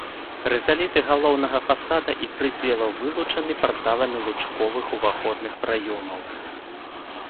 Рызаліты галоўнага фасада і прыдзелаў вылучаны парталамі лучковых уваходных праёмаў.